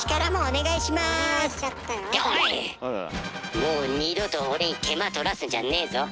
もう二度と俺に手間取らすんじゃねえぞ。